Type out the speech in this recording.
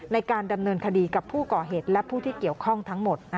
ในการดำเนินคดีกับผู้ก่อเหตุและผู้ที่เกี่ยวข้องทั้งหมด